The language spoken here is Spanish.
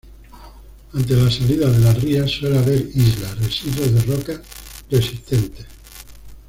Ante la salida de las rías suele haber islas, residuos de rocas resistentes.